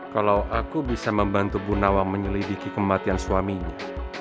kalo aku bisa membantu bunawang menyelidiki kematian suaminya